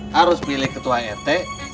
harus pilih ketua rt